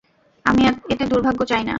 আমি এতে দুর্ভাগ্য চাই না।